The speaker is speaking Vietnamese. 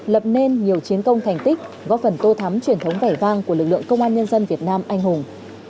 lập nên nhiều chiến công thành tích góp phần tô thắm truyền thống vẻ vang của lực lượng công an nhân dân việt nam anh hùng